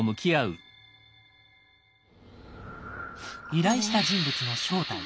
依頼した人物の正体。